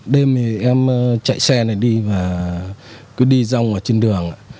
đêm thì em chạy xe này đi và cứ đi rong ở trên đường